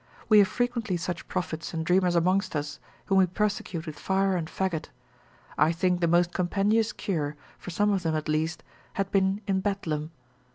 We have frequently such prophets and dreamers amongst us, whom we persecute with fire and faggot: I think the most compendious cure, for some of them at least, had been in Bedlam.